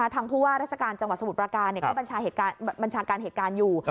ทางผู้ว่าราชการจังหวัดสมุทรประการก็บัญชาการเหตุการณ์อยู่